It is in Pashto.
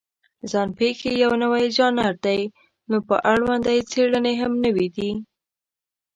ځان پېښې یو نوی ژانر دی، نو په اړوند یې څېړنې هم نوې دي.